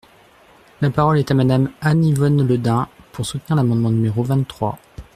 La parole est à Madame Anne-Yvonne Le Dain, pour soutenir l’amendement numéro vingt-trois.